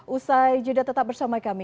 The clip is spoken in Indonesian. usai juda tetap bersama kami